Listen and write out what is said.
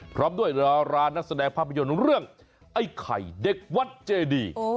พร้อมด้วยดารานักแสดงภาพยนตร์เรื่องไอ้ไข่เด็กวัดเจดี